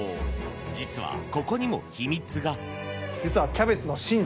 実は、ここにも秘密が。